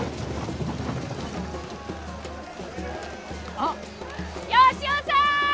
あっ吉雄さん！